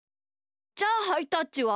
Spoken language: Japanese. じゃあハイタッチは？